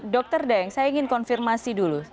dr deng saya ingin konfirmasi dulu